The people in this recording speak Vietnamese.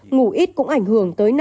ngủ ít cũng ảnh hưởng tới năng suất